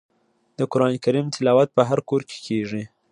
د قران کریم تلاوت په هر کور کې کیږي.